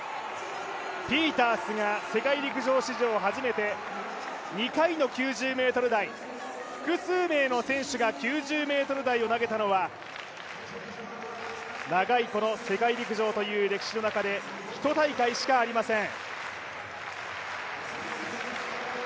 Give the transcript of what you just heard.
ピータースが世界陸上史上初めて２回の９０ｍ台、複数名の選手が９０ｍ台を投げたのは長いこの世界陸上という歴史の中で１大会しかありません。